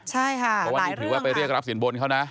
ใช่ค่ะหมายเรื่องค่ะเพราะวันนี้ถือว่าไปเรียกรับศิลป์บนเขานะ